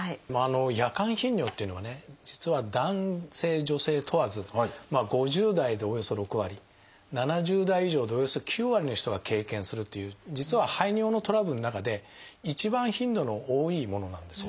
夜間頻尿というのはね実は男性女性問わず５０代でおよそ６割７０代以上でおよそ９割の人が経験するという実は排尿のトラブルの中で一番頻度の多いものなんですよ。